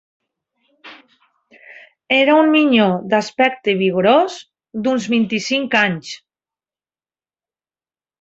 Era un minyó d'aspecte vigorós, d'uns vint-i-cinc anys